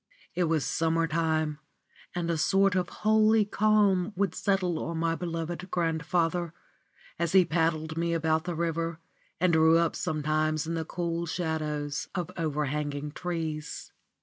It was summer time, and a sort of holy calm would settle on my beloved grandfather, as he paddled me about the river and drew up sometimes in the cool shadows of overhanging trees.